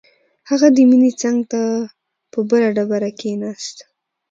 هغه د مينې څنګ ته په بله ډبره کښېناست.